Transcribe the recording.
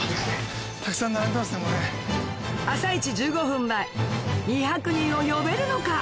１５分前２００人を呼べるのか？